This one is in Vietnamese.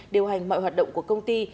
điều hành mọi hoạt động của công ty